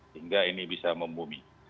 sehingga ini bisa membumi